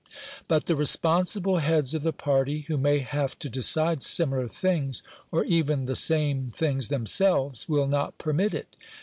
But the responsible heads of the party who may have to decide similar things, or even the same things themselves, will not permit it.